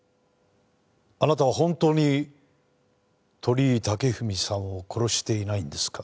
あなたは本当に鳥居武文さんを殺していないんですか？